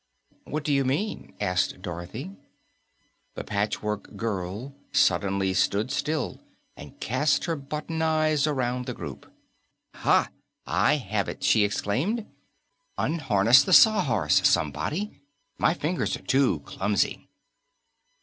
"What do you mean?" asked Dorothy. The Patchwork Girl suddenly stood still and cast her button eyes around the group. "Ha, I have it!" she exclaimed. "Unharness the Sawhorse, somebody. My fingers are too clumsy."